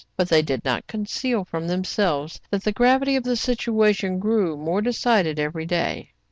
But they did not conceal from themselves that the gravity of the situation grew more decided every day.